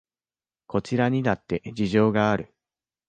こちらにだって事情がある